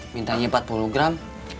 minta nya empat puluh gram